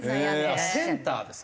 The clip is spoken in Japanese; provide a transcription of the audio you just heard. あっセンターですか？